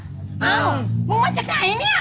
อ้าวมึงมาจากไหนเนี่ย